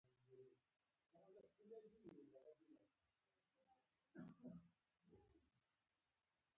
د افغانستان په منظره کې تالابونه په ښکاره ډول ښکاري.